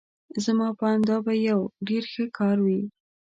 زما په آند دا به یو ډېر ښه کار وي.